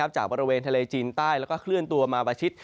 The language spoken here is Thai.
จากบริเวณทะเลจีนใต้แล้วก็เคลื่อนตัวมาประชิด